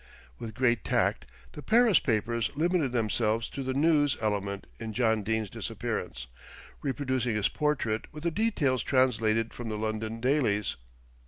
With great tact the Paris papers limited themselves to the "news" element in John Dene's disappearance, reproducing his portrait, with the details translated from the London dailies.